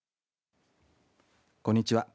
こんにちは。